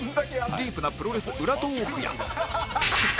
ディープなプロレス裏トーークや